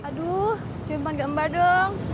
aduh jempan gak mbak dong